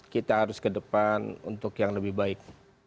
kita harus ke depan untuk yang lebih baik